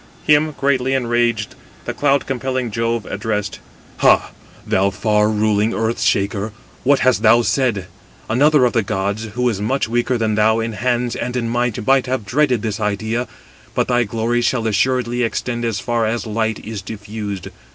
264 Him, greatly enraged, the cloud compelling Jove addressed: "Ha! thou far ruling earth shaker, what hast thou said? Another of the gods, who is much weaker than thou in hands and in might might have dreaded this idea; but thy glory shall assuredly extend as far as light is diffused.